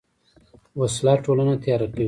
وسله ټولنه تیاره کوي